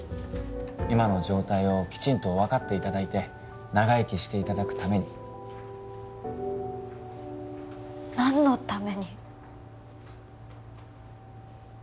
今の状態をきちんと分かっていただいて長生きしていただくために何のために？